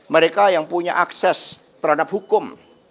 mereka yang punya akses terhadap hukum